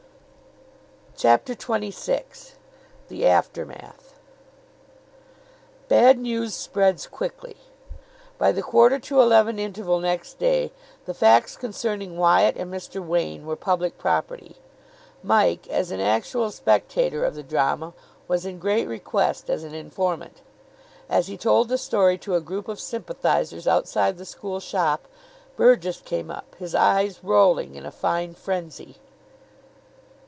CHAPTER XXVI THE AFTERMATH Bad news spreads quickly. By the quarter to eleven interval next day the facts concerning Wyatt and Mr. Wain were public property. Mike, as an actual spectator of the drama, was in great request as an informant. As he told the story to a group of sympathisers outside the school shop, Burgess came up, his eyes rolling in a fine frenzy.